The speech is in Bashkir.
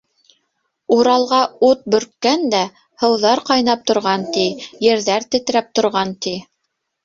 Уралға ут бөрккән дә, һыуҙар ҡайнап торған ти, ерҙәр тетрәп торған, ти.